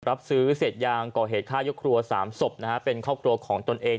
รับซื้อเศษยางก่อเหตุฆ่ายกครัว๓ศพนะฮะเป็นครอบครัวของตนเอง